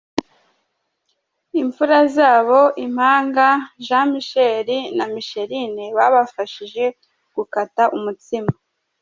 Imfura zabo impanga Jean Micheal na Michealine babafashije gukata umutsima.